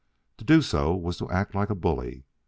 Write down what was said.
To do so was to act like a bully.